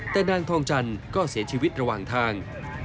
แต่นางทองจันทร์ก็เสียชีวิตระหว่างทาง